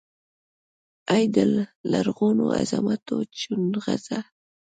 ای دلرغونوعظمتوچونغره!